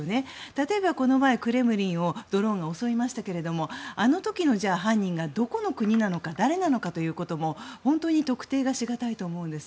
例えばこの前、クレムリンをドローンが襲いましたけどあの時の犯人が、どこの国なのか誰なのかというのも本当に特定がし難いと思うんです。